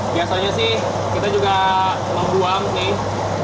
biasanya sih kita juga membuang nih